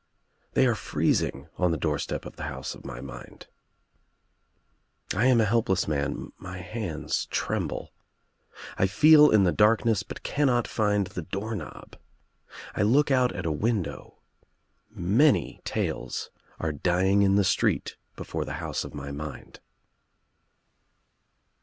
They are fretting on the doorstep of the house of my mind. J am a helpless man — my hands tremble. I feel in the darkness bul cannot find the doorknob. _ J look out al a window. Msny tales are dying in the street before the house of my mind.